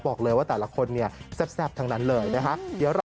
บอกเลยว่าแต่ละคนเนี่ยแซ่บทั้งนั้นเลยนะครับ